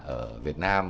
ở việt nam